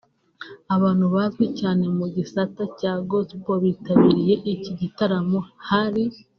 Abantu bazwi cyane mu gisata cya Gospel bitabiriye iki gitaramo hari